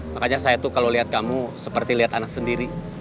makanya saya tuh kalau lihat kamu seperti lihat anak sendiri